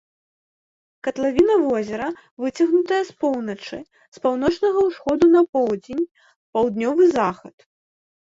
Катлавіна возера выцягнутая з поўначы, з паўночнага ўсходу на поўдзень, паўднёвы захад.